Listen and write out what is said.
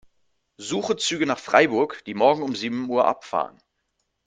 Suche Züge nach Freiburg, die morgen um sieben Uhr abfahren.